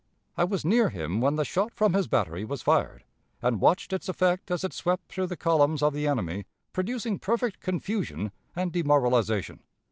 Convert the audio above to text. I was near him when the shot from his battery was fired, and watched its effect as it swept through the columns of the enemy, producing perfect confusion and demoralization....